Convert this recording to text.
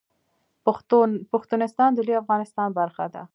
پښتونستان د لوی افغانستان برخه ده